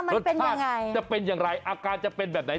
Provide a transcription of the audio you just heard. รสชาติจะเป็นอย่างไรอาการจะเป็นแบบไหน